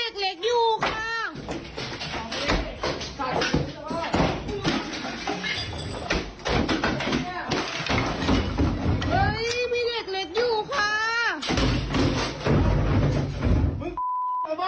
คุณมาบ้านหรอ